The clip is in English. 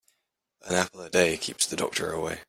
An apple a day keeps the doctor away.